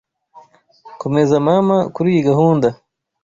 Komeza mama kuriyi gahunda.